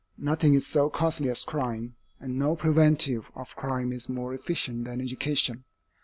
Nothing is so costly as crime, and no preventive of crime is more efficient than education.